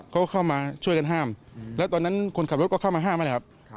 เข้ามาช่วยกันห้ามแล้วตอนนั้นคนขับรถก็เข้ามาห้ามนั่นแหละครับ